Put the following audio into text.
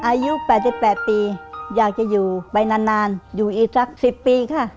ยายชื่อยายเป้าอายุ๘๘ปีอยากจะอยู่ไปนานอยู่อีกสัก๑๐ปีค่ะ